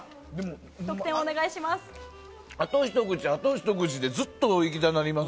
得点お願いします。